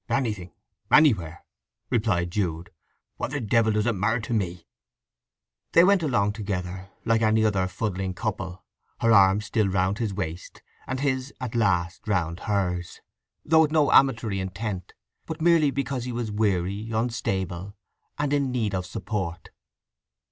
"Anything—anywhere," replied Jude. "What the devil does it matter to me?" They went along together, like any other fuddling couple, her arm still round his waist, and his, at last, round hers; though with no amatory intent; but merely because he was weary, unstable, and in need of support.